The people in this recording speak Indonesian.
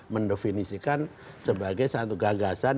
mendefinisikan sebagai satu gagasan